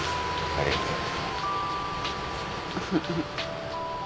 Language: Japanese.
ありがとう。